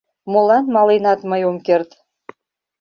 Молан маленат мый ом керт